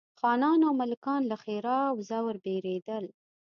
خانان او ملکان له ښرا او زور بېرېدل.